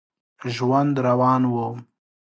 ژوند روان و.